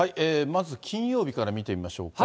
まず金曜日から見てみましょうか。